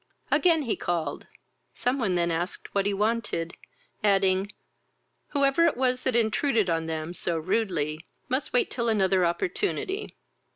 Again he called: some one then asked what he wanted, adding, whoever it was that intruded on them so rudely must wait till another opportunity.